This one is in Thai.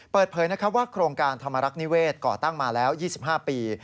เปิดเผยว่าโครงการธรรมรักษ์นิเวศก่อตั้งมาแล้ว๒๕ปี